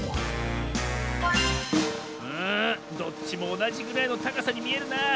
うんどっちもおなじぐらいのたかさにみえるなあ。